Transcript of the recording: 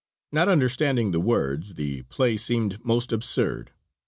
Not understanding the words the play seemed most absurd.